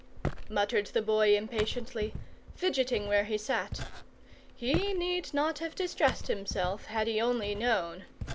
muttered the Boy impatiently, fidgeting where he sat. He need not have distressed himself, had he only known.